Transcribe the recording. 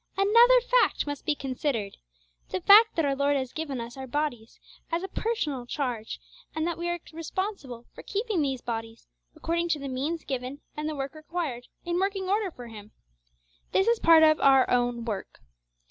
Another fact must be considered, the fact that our Lord has given us our bodies as a special personal charge, and that we are responsible for keeping these bodies, according to the means given and the work required, in working order for Him. This is part of our 'own work.'